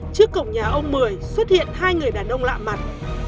trước cổng nhà ông mười xuất hiện hai người đàn ông lạ mặt